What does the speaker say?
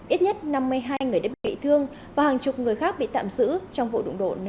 ít nhất năm mươi hai người đã bị thương và hàng chục người khác bị tạm giữ trong vụ đụng độ nơi nằm trên